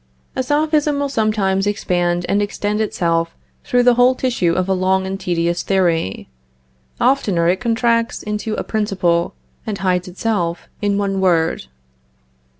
A Sophism will sometimes expand and extend itself through the whole tissue of a long and tedious theory. Oftener it contracts into a principle, and hides itself in one word.